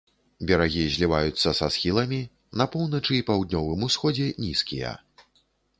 Берагі зліваюцца са схіламі, на поўначы і паўднёвым усходзе нізкія.